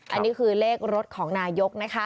อันนี้คือเลขรถของนายกนะคะ